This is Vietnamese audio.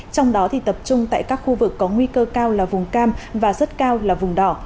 trong đó tập trung tại các khu vực có nguy cơ cao là vùng cam và rất cao là vùng đỏ